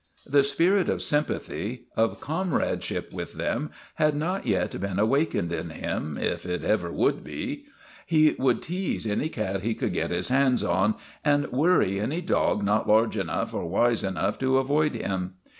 The spirit of sympathy, of comradeship with them had THE REGENERATION OF TIMMY 197 not yet been awakened in him, if it ever would be. He would tease any cat he could get his hands on and worry any dog not large enough or wise enough to avoid him.